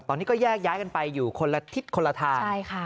ตอนนี้ก็แยกย้ายกันไปอยู่คนละทิศคนละทางใช่ค่ะ